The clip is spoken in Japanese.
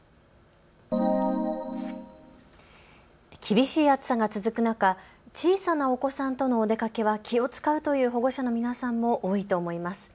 厳しい暑さが続く中、小さなお子さんとのお出かけは気を遣うという保護者の皆さんも多いと思います。